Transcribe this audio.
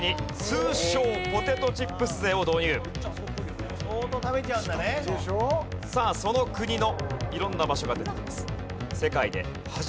通称？さあその国の色んな場所が出てきます。